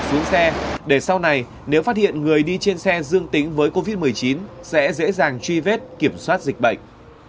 xuống xe để sau này nếu phát hiện người đi trên xe dương tính với covid một mươi chín sẽ dễ dàng truy vết kiểm soát dịch bệnh